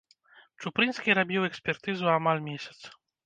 Чупрынскі рабіў экспертызу амаль месяц.